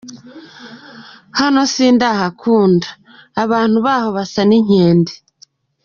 "Hano sindahakunda, abantu baho basa n'inkende.